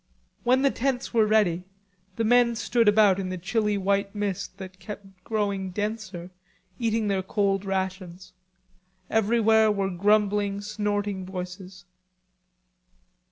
When the tents were ready, the men stood about in the chilly white mist that kept growing denser, eating their cold rations. Everywhere were grumbling snorting voices.